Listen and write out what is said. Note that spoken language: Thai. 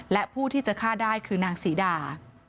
และผู้ที่จะฆ่าได้คือนางศรีดา